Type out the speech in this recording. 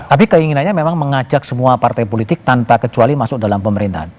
tapi keinginannya memang mengajak semua partai politik tanpa kecuali masuk dalam pemerintahan